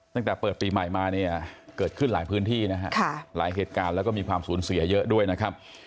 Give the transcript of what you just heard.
ตั้งแต่เปิดปีใหม่มาเนี่ยเกิดขึ้นหลายพื้นที่นะฮะหลายเหตุการณ์แล้วก็มีความสูญเสียเยอะด้วยนะครับ